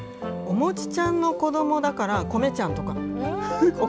おもちちゃんの子どもだから、こめちゃんとか。